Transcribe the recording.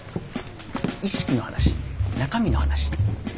意識の話中身の話。